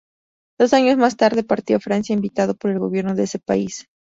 Dos años más tarde partió a Francia invitado por el gobierno de ese país.